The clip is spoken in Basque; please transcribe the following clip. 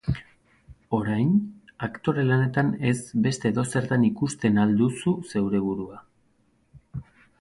Orain, aktore lanetan ez beste edozertan ikusten al duzu zeure burua?